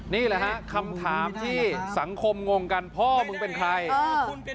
นี่แหละฮะคำถามที่สังคมงงกันพ่อมึงเป็นใคร